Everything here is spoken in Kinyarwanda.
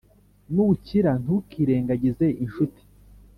nukira ntukirengagize inshuti